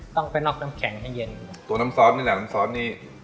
ต้องไปนอกน้ำแข็งให้เย็น